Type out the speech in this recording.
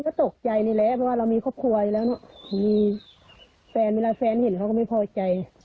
ก็ตกใจนี่แหละเพราะว่าเรามีครอบครัวอยู่แล้วเนอะมีแฟนเวลาแฟนเห็นเขาก็ไม่พอใจ